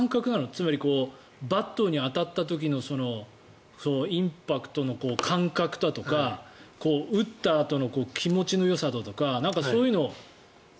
つまり、バットに当たった時のインパクトの感覚だとか打ったあとの気持ちのよさだとかなんか、そういうの。